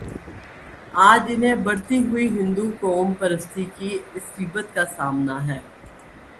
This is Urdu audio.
آج انہیں بڑھتی ہوئی ہندوقوم پرستی کی عصبیت کا سامنا ہے۔